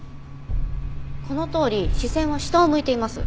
このとおり視線は下を向いています。